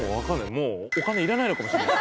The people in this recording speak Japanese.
もうお金いらないのかもしれない。